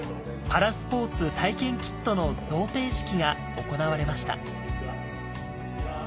パラスポーツ体験キットの贈呈式が行われました